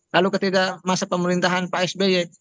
lalu ketika masa pemerintahan pak sby